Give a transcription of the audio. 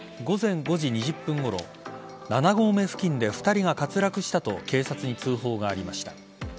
午前５時２０分ごろ７合目付近で２人が滑落したと警察に通報がありました。